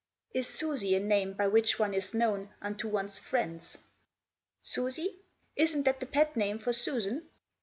" Is Susie a name by which one is known unto one's friends?" " Susie ? Isn't that the pet name for Susan